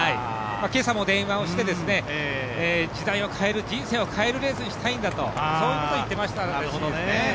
今朝も電話をして、時代を変える人生を変えるレースにしたいんだと言ってましたね。